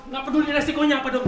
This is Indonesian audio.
gak peduli resikonya apa dok